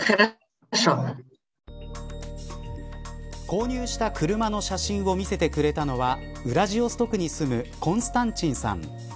購入した車の写真を見せてくれたのはウラジオストクに住むコンスタンチンさん。